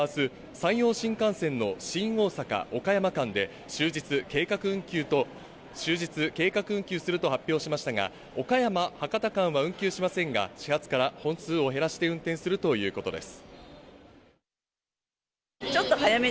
またＪＲ西日本はあす、山陽新幹線の新大阪ー岡山間で終日計画運休すると発表しましたが、岡山−博多間は運休しませんが、４月から本数を減らして運転するということです。